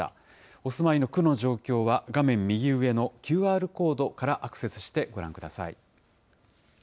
お住まいの区の状況は、画面右上のＱＲコードからアクセスしてご覧ください。